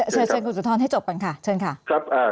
เชิญคุณอุทธรณ์ให้จบก่อนค่ะ